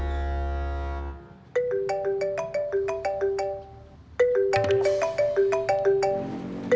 mereka mau ke taslim